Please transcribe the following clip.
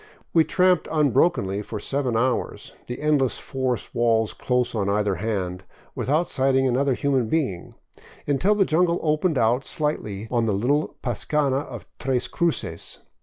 We tramped unbrokenly for seven hours, the endless forest wall close on either hand, without sighting another human being, until the jungle opened out slightly on the little pascana of Tres Cruces.